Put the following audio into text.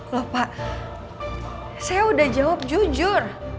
loh pak saya udah jawab jujur